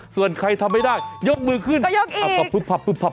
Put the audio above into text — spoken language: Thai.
ส่วนใครทำไม่ได้ยกมือขึ้นก็พับพุกค่อยกอีก